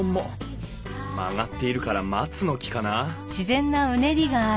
曲がっているから松の木かな？